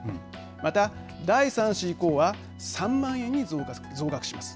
また、第３子以降は３万円に増額します。